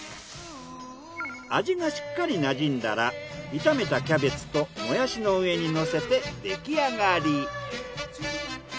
味がしっかりなじんだら炒めたキャベツともやしの上にのせて出来上がり。